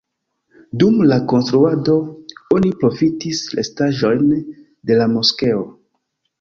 Dum la konstruado oni profitis restaĵojn de la moskeo.